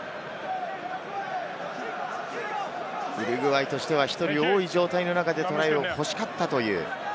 ウルグアイとしては１人多い状態の中でトライを欲しかった。